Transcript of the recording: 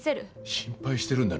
心配してるんだ。